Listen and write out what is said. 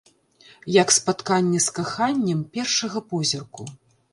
Як спатканне з каханнем першага позірку.